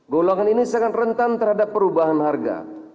golongan ini sangat rentan terhadap perubahan harga